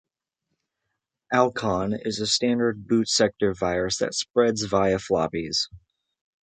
Alcon is a standard boot sector virus that spreads via floppies.